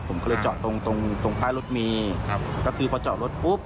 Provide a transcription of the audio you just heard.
ผมก็เลยจอดตรงตรงตรงท้ายรถเมย์ครับก็คือพอจอดรถปุ๊บ